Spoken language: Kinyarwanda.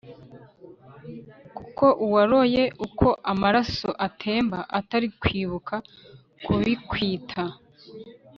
Kuko uwaroye uko amaraso atemba Atari kwibuka kubikwita